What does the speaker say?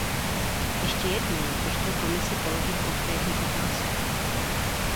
Ještě jednou bych chtěl Komisi položit konkrétní otázku.